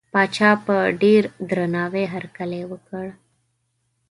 پاچا په ډېر درناوي هرکلی وکړ.